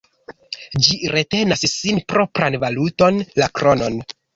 Ĝi retenas sian propran valuton, la kronon.